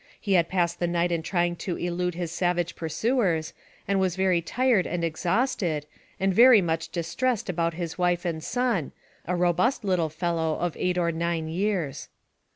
He had passed the night in trying to elude his savage pursuers, and was very tired and exhausted, and very much dis tressed about his wife and son, a robust little fellow of eight or nine years.